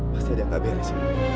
pasti ada yang gak beres